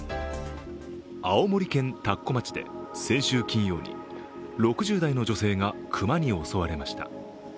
青森県田子町で先週金曜に６０代の女性が熊に襲われました。